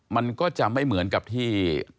มันก็จะไม่เหมือนกับที่